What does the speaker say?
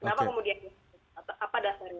kenapa kemudian apa dasarnya